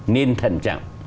nên thận trọng